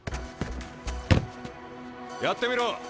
やってみろ。